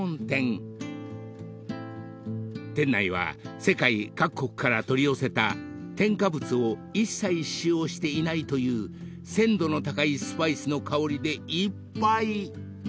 ［店内は世界各国から取り寄せた添加物を一切使用していないという鮮度の高いスパイスの香りでいっぱい］